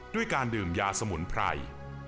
ด้วยการดื่มยาสมุนไพร